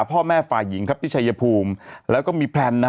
พ่อแม่ฝ่ายหญิงครับที่ชายภูมิแล้วก็มีแพลนนะฮะ